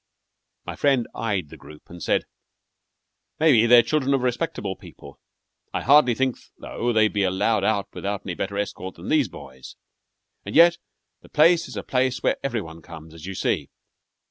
My friend eyed the group, and said: "Maybe they're children of respectable people. I hardly think, though, they'd be allowed out without any better escort than these boys. And yet the place is a place where every one comes, as you see.